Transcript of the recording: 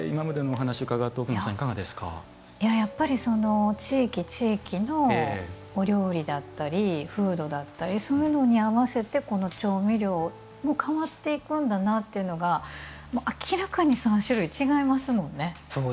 やっぱり地域地域のお料理だったり、風土だったりそういうのに合わせて調味料も変わっていくんだなというのが明らかに３種類違いますもんね。